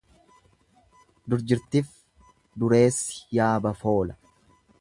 Durjirtif dureessi yaaba foola.